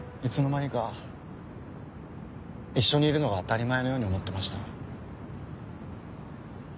いつの間にか一緒にいるのが当たり前のように思ってました。